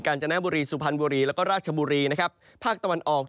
จนบุรีสุพรรณบุรีแล้วก็ราชบุรีนะครับภาคตะวันออก